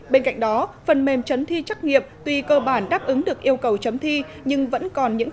bên cạnh đó phần mềm chấn thi trắc nghiệp tuy cơ bản đáp ứng được yêu cầu chấm thi nhưng vẫn còn những